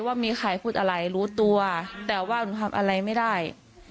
ว่ามีใครพูดอะไรรู้ตัวแต่ว่าหนูทำอะไรไม่ได้